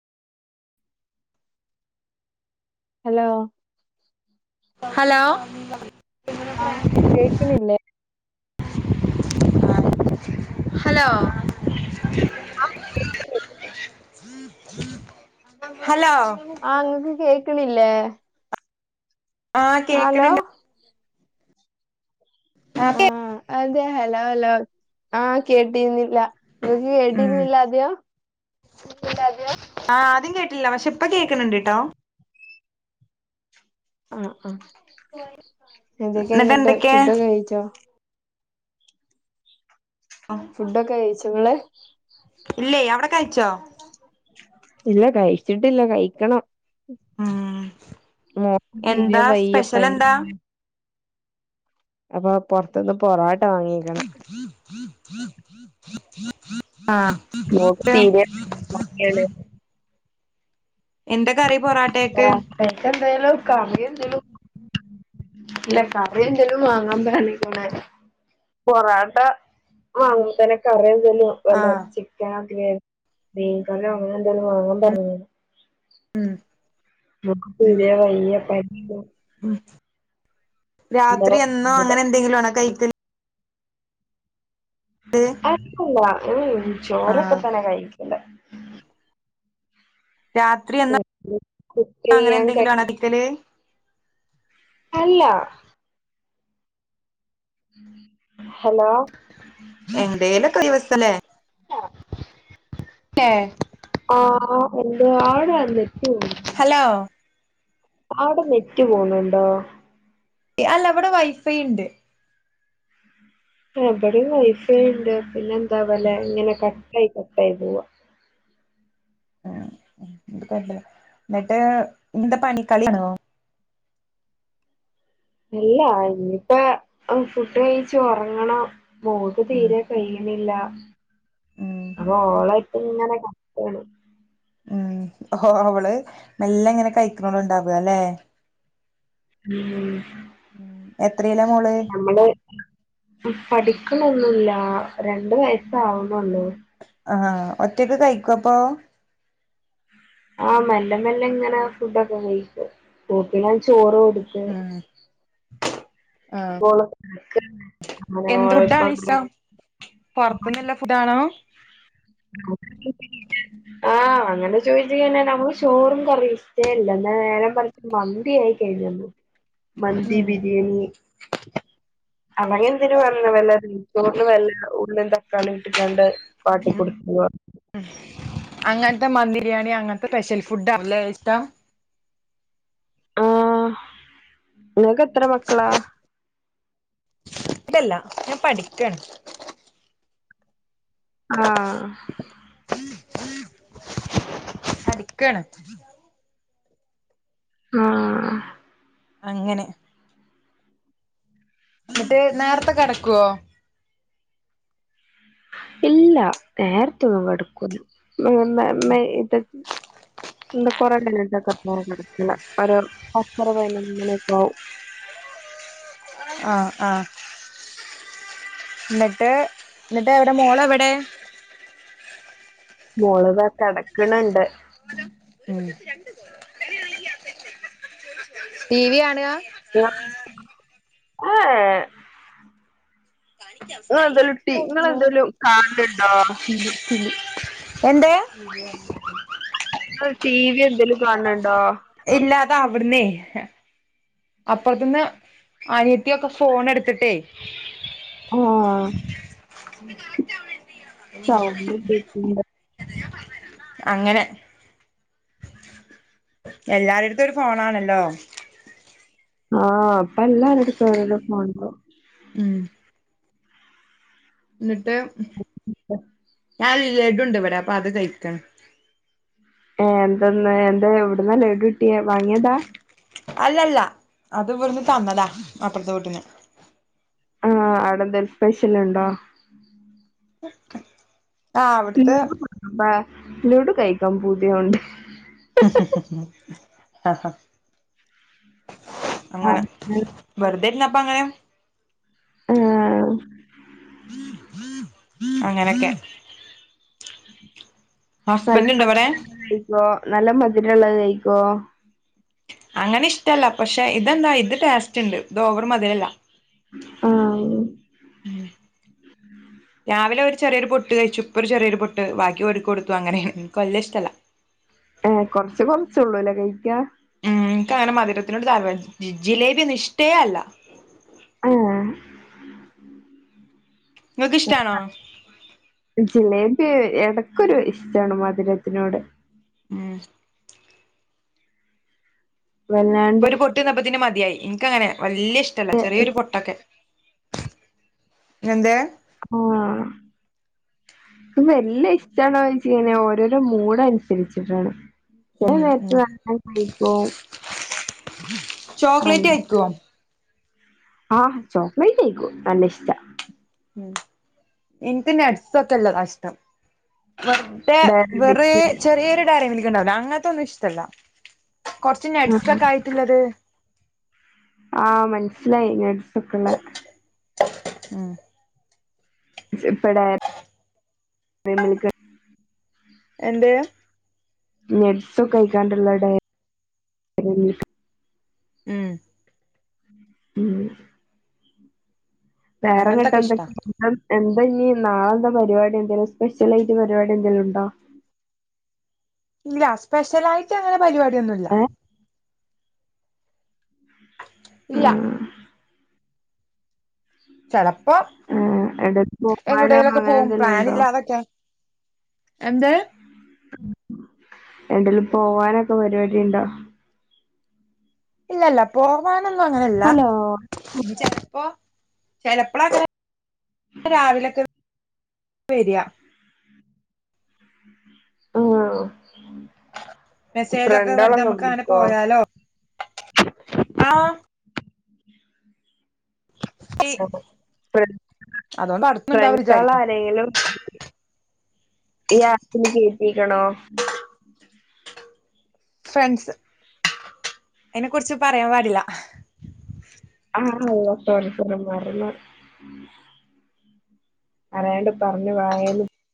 Hello hello ആഹ് കേക്ക്ണില്ലേ? Hello hello ആഹ് ഇങ്ങക്ക് കേക്ക്ണില്ലേ? ആഹ് ഹലോ കേക്കണണ്ട്. ണ്ട് ആഹ് അതെ ഹലോ ഹലോ ആഹ് കേട്ടിരുന്നില്ല ഇങ്ങക്ക് കേട്ടിരുന്നില്ല ആദ്യോം? ലാദ്യോം. ആ ആദ്യം കേട്ടില്ല പക്ഷെ ഇപ്പ കേൾക്കണണ്ട്ട്ടോ. ആഹ് ആ എന്നിട്ട് എന്തൊക്കെയാന്നിട്ട് എന്തൊക്കെ ഫുഡൊക്കെ കഴിച്ചോ? ഫുഡൊക്കെ കഴിച്ചോ ങ്ങള്? ഇല്ല അവിടെ കയിച്ചോ? ഇല്ല കയിച്ചിട്ടില്ല കയിക്കണം. ഉം ഉം മോക്ക് തീരേ എന്താ വയ്യ സ്പെഷ്യൽ പനി. എന്താ അപ്പോ പൊറത്തുന്ന് പൊറാട്ട വാങ്ങീക്ക്ണ്. ആഹ് മോക്ക് തീരേ നോക്ക്യേണേ. എന്താ കറി പൊറാട്ടേക്ക്? എക്കെന്തേലും കറി എന്തേലും [unintelligible] ഇല്ല കറി എന്തേലും വാങ്ങാ പറഞീക്ക്ണ് പൊറാട്ട വാങ്ങുമ്പ തന്നെ കറി എന്തേലും വല്ല ആഹ് ചിക്കനോ ഗഒക്കെ മീൻകറിയോ അങ്ങനെ എന്തേലും വാങ്ങാൻ പറഞ്ഞീനു ഉം [unintelligible] ഉം രാത്രി എന്നും അങ്ങനെ എന്തെങ്കിലും ആണോ കഴിക്കൽ അതല്ല ഊ ഉം ചോറൊക്കെ ആഹ് തന്നെ കഴിക്കല് രാത്രി എന്നാ കുക്ക് അങ്ങനെ ചെയ്യാൻ എന്തെങ്കിലും കഴിയും [unintelligible] അല്ല ഹലോ ഏന്തേലൊക്കെ ദിവസലേ ല്ലേ ആഹ് എന്ത അവ്ടെ നെറ്റ് പോ ഹലോ അവിടെ നെറ്റ് പോണുണ്ടോ? അല്ല ഇവിടെ വൈഫൈ ഇണ്ട് ഏഹ് ഇബടെയും വൈഫൈയ്ണ്ട് പിന്നെ എന്താ ആവലെ ഇങ്ങനെ കട്ടായി കട്ടായി പോവ ആഹ് ത്പ്പ ന്താ ന്നിട്ട് ഇന്ത പണി ക്കളിയാണോ? അല്ല ഇനിയിപ്പ അം ഫുഡ് കഴിച്ചു ഒറങ്ങണം മോൾക്ക് ഉം തീരെ കഴിയണില്ല ഉം അപ്പൊ ഓളെട്ത്ത് ഇങ്ങനെ കടക്കാണ് ഓള് മെല്ലെ ഇങ്ങനെ കഴിക്ക്ണുള്ളൂണ്ടാവ ല്ലേ ഉം ഊം എത്രയിലാ മോള്? അവള് പഠിക്ക്ണൊന്നുല്ല രണ്ട് വയസ് ആവുണുള്ളു ആഹ് ഒറ്റക്ക് കഴിക്കപ്പോ? ആഹ് മെല്ലെ മെല്ലെ ഇങ്ങനെ ഫുഡൊക്കെ കയിക്കും ഓക്ക് ഞാൻ ചോറ് കൊടുത്ത് ഉം ആഹ് [unintelligible] എന്ത് ഓളിപ്പ ഫുഡാണ് അങ്ങനെ ഇഷ്ടം പൊറത്തുന്ന്‌ല്ല ഫുഡാണോ [unintelligible] ആഹ് അങ്ങനെ ചോദിച്ച് കഴിഞ്ഞാൽ നമ്മക്ക് ചോറും കറിയും ഇഷ്ടേല്ല എന്നാ നേര മറിച്ച് മന്തി ആയി കഴിഞ്ഞലോ മന്തി ഉം ബിരിയാണി അങ്ങനെ എന്തിന് വന്ന് നെയ്ച്ചോറില് വല്ല ഉള്ളിം തക്കാളിം ഇട്ടിക്കാണ്ട് വാട്ടി കൊടുക്കുവാ അങ്ങനത്തെ മന്തി ബിരിയാണി അങ്ങനത്തെ സ്പെഷ്യൽ ഫുഡ് ആണല്ലേ ഇഷ്ടം അഹ് നിങ്ങൾക്കെത്ര മക്കളാ ഇല്ലല്ലാ ഞാൻ പഠിക്കാണ് ആഹ് പഠിക്കാണ് ആഹ് അങ്ങനെ എന്നിട്ട് നേർത്തെ കെടക്കോ ഇല്ല നേരത്തെ ഒന്നും കെടക്കൂല്ല മേ മേ മൈ ഇത് എന്ത [unintelligible] പത്തര പതിനൊന്ന് മണിയൊക്കെ ആവും ആഹ് ആഹ് ന്നിട്ട് ന്നിട്ടെവ്ടെ മോളെ എവടേ മോള് താ കെടക്ക്ണ്‌ണ്ട് ഉം ടീ വി കാണ്കാ [unintelligible] ഏഹ് ഏഹ് ഇങ്ങെളെന്തേലും ട്ടി ഇങ്ങെളെന്തേലും കാൺല്ണ്ടോ എന്തേ ഇങ്ങെള് ടീ വി എന്തേലും കാൺണ്‌ണ്ടോ ഇല്ലാ അത് അവ്ട്ന്നേ അപ്പാെർത്ത്ന്ന് അനിയത്ത്യൊക്കെ ഫോണെട്ത്ത്ട്ടേ ഉ ആഹ് [unintelligible] സൗണ്ട് കേക്ക്ണ്ട് അങ്ങെനെ എല്ലാരെട്ത്തും ഒര് ഫോണാണല്ലോ ആഹ് പ്പ എല്ലാരെട്ത്തും ഒരോരോ ഫോൺണ്ടാവും ഉം ന്ന്ട്ട് ഞാൻ ലഡുണ്ട് വെടെ അപ്പ അത് കയ്ക്കാണ് ഏഹ് എന്തന്ന് എന്താ എവ്ട്ന്നാ ലഡുട്ട്യേ വാങ്ങ്യേതാ അല്ല അല്ല അത് ഇവെട്ന്ന് തന്നതാ അപ്പർത്തെ വീട്ട്ന്ന് ആഹ് അവ്ടെന്തേലും സ്പെഷ്യല്ണ്ടോ ആ അവിടുത്തെ ഇൻക്ക് [unintelligible] പാ ലെഡു കഴിക്കാം പൂത്യാവ്ണ്ട് ആ അങ്ങെനെ വെറ്തെ ഇര്ന്നപ്പങ്ങെനെ ആഹ് അങ്ങെനൊക്കെ നല്ല ഹസ്ബൻഡ് ഇണ്ടോ ഇവിടെ മധ്‌ര [unintelligible] ത് കഴിക്കോ നല്ല മധ്‌രള്ളെത് കഴിക്കോ അങ്ങെനെ ഇഷ്ടല്ലാ പക്ഷെ ഇതെന്താ ഇത് ടേസ്റ്റ്ണ്ട് തോവെറ് മധ്‌രല്ലാ ആ രാവിലെ ഒര് ചെറിയൊര് പൊട്ട് കഴിച്ചു പ്പാെര് ചെറിയൊരു പൊട്ട് ബാക്കി ഓര്ക്ക് കൊട്ത്തു അങ്ങെനെ ഇൻക്ക് വല്ല്യ ഇഷ്ടല്ലാ ഏഹ് കൊർച്ച് കൊർച്ചാെള്ളുലേ കഴിയ്ക്കാ ഉം ഇൻക്കങ്ങെനെ മധുരത്തിനോട് താൽപര് ഈ ജിലേബി ഒന്നും ഇഷ്ട്ടേ അല്ലാ ആഹ് ഇങ്ങെക്ക്ഷ്ടാണോ ജിലേബി എടെക്കൊരു ഇഷ്ടാണ് മധ്‌രത്തിനോട് ഊം വല്ലാണ്ട് ഒര് പൊട്ട്ന്നപ്പത്ത്ന് മത്യായി ഇൻക്കങ്ങെനെ വല്ല്യ ഇഷ്ടല്ല ചെറ്യേയൊരു ഇഷ് പൊട്ടൊക്കെ എന്തേ ക്കും വേണം ക്കും വെല്ല്യ ഇഷ്ടാണോയ്ച്ച്ങ്ങെനെ ഓരോരോ മൂടൻസര്ച്ച്ട്ടാണ് ചെലെ ഉം നേര്ത്ത് ഉം ന [unintelligible] കഴിക്കും ആഹ് ചോക്ലേറ്റ് കഴിക്കുവോ ആഹ് ചോക്ലേറ്റ് കഴിക്കും നല്ല ഇഷ്ടാ ഉം ഇൻക്ക് നട്സാെക്കെള്ളതാഷ്ടം വെറ്തെ ഡയറി വെറേ മിൽക്ക് ചെറിയൊരു കാര്യം വിളിക്കണ്ടാവില്ല അങ്ങനത്തെ ഒന്നും ഇഷ്ടല്ല. കൊർച്ച് ആഹ് നടസക്കെ ആയിട്ടുള്ളത്. ആഹ് മനസ്സിലായി നട്സൊക്കെള്ള. ആ ഇപ്പടെ [unintelligible] എന്തെ. നട്സൊക്കെ കഴിക്കാണ്ട്ള്ളരു. ഉം മ്മ്. വേറെ കെട്ട് അങ്ങനത്തൊക്കെ ഇഷ്ടാ എന്തൊക്കെ. എന്ത ഇനി നാളെന്താ പരിപാടി എന്തെലും സ്പെഷ്യലായിട്ട് പരിപാടി എന്തേലും ഉണ്ടോ? ഇല്ല സ്പെഷ്യലായിട്ട് അങ്ങനെ പരിപാടിയൊന്നുംല്ല. ഏഹ് ഇല്ല. ചെലപ്പോ ഏ എടക്ക്‌ പോവാനോ എങ്ങട്ടേലൊക്കെ അങ്ങനെ പോവും എന്തെലും ഉണ്ടോ? [inaudible] പ്ലാനില്ലാതൊക്കെ എന്ത്. എന്തേലും പോവാനൊക്കെ പരിപാടി ഉണ്ടോ? ഇല്ല, ഇല്ല പോവാനൊന്നും അങ്ങനെല്ല. ഹലോ ഇ ചെലപ്പോ ചെലപ്പോളൊക്കെ രാവിലൊക്കെ. വര്അ. ആ മെസ്സേജൊക്കെ വെറുതെ ഫ്രണ്ടളൊക്കെ നമുക്ക് അങ്ങനെ വിളിക്കുവോ. പോയാലോ ആഹ്. ഫ്ര അതുകൊണ്ട് അടുത്തുണ്ടാവും ഫ്രണ്ട്സള വിചാരിക്കും ആരെങ്കിലും. ഈ ആപ്പില് കേറ്റീക്കണോ. ഫ്രണ്ട്സ് അയിനെ കുറിച്ച് പറയാൻ പാടില്ല. ആഹ് [unintelligible] അറിയാണ്ട് പറഞ്ഞു വായെന്ന്.